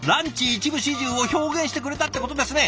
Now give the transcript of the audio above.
一部始終を表現してくれたってことですね。